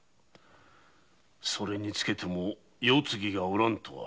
それにつけても世継ぎがおらんとは。